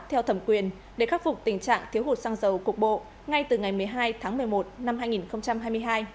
theo thẩm quyền để khắc phục tình trạng thiếu hụt xăng dầu cục bộ ngay từ ngày một mươi hai tháng một mươi một năm hai nghìn hai mươi hai